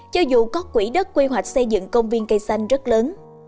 cho dù có quỹ đất quy hoạch xây dựng công viên cây xanh rất lớn